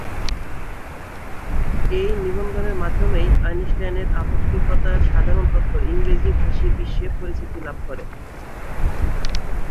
এই নিবন্ধের মাধ্যমেই আইনস্টাইনের আপেক্ষিকতার সাধারণ তত্ত্ব ইংরেজি ভাষী বিশ্বে পরিচিতি লাভ করে।